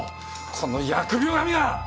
この疫病神が！